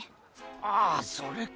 ああそれか。